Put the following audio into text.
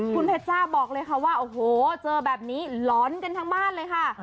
คุณเพชจ้าบอกเลยค่ะว่าโอ้โหเจอแบบนี้หลอนกันทั้งบ้านเลยค่ะ